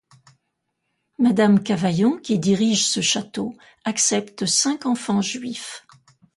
Madame Cavaillon qui dirige ce château accepte cinq enfants juifs.